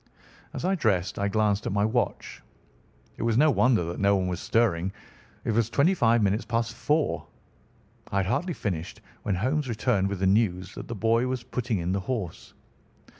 As I dressed I glanced at my watch. It was no wonder that no one was stirring. It was twenty five minutes past four. I had hardly finished when Holmes returned with the news that the boy was putting in the horse.